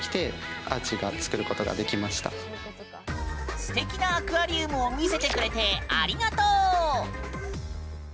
すてきなアクアリウムを見せてくれてありがとう！